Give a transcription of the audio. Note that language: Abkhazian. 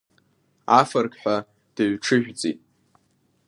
Афырқь ҳәа дыҩҽыжәҵит.